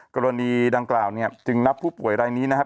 กรณีดังกล่าวเนี่ยจึงนับผู้ป่วยรายนี้นะครับ